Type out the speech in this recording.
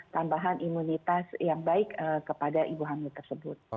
tambahan imunitas yang baik kepada ibu hamil tersebut